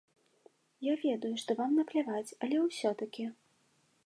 Я ведаю, што вам напляваць, але ўсё-такі?